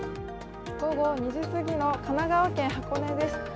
午後２時過ぎの神奈川県箱根です。